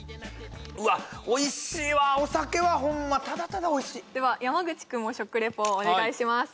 うわおいしいわお酒はホンマただただおいしいでは山口君も食レポをお願いします